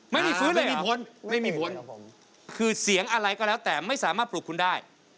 ไม่มีฟื้นไม่มีผลไม่มีผลคือเสียงอะไรก็แล้วแต่ไม่สามารถปลุกคุณได้